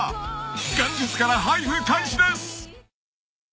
［元日から配布開始です］